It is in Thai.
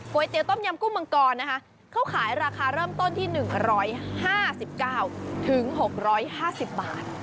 เตี๋ยต้มยำกุ้งมังกรนะคะเขาขายราคาเริ่มต้นที่๑๕๙๖๕๐บาท